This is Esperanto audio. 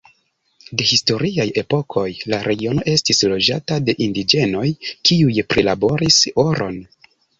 De historiaj epokoj la regiono estis loĝata de indiĝenoj kiuj prilaboris oron.